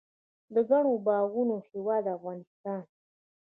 د ګڼو باغونو هیواد افغانستان.